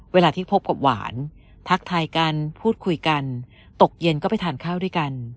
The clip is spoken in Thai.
เวลาที่พบกับหวานทักทายกันพูดคุยกันตกเย็นก็ไปทานข้าวด้วยกัน